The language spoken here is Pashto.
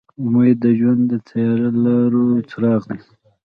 امید د ژوند د تیاره لارو څراغ دی.